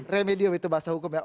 remedium itu bahasa hukum